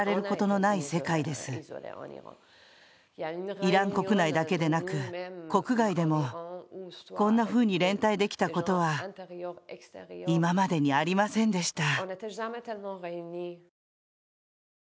イラン国内だけでなく、国外でもこんなふうに連帯できたことは今までにありませんでした。